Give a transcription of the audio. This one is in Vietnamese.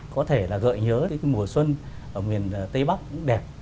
có thể là gợi nhớ đến cái mùa xuân ở miền tây bắc cũng đẹp